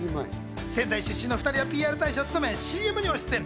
仙台出身の２人はＰＲ大使を務め、ＣＭにも出演。